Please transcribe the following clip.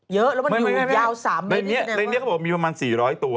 เยอะแล้วมันอยู่ยาว๓เมตรไม่ได้แสดงว่าไม่ในนี้เขาบอกว่ามีประมาณ๔๐๐ตัว